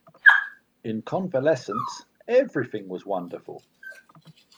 In convalescence everything was wonderful.